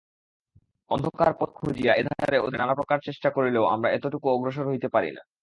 অন্ধকারে পথ খুঁজিয়া এধারে ওধারে নানাপ্রকার চেষ্টা করিলেও আমরা এতটুকু অগ্রসর হইতে পারি না।